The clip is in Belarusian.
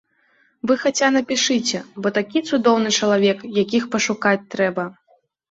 Вы хаця напішыце, бо такі цудоўны чалавек, якіх пашукаць трэба.